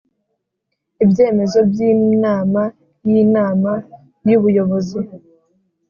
ibyemezo by inama y Inama y Ubuyobozi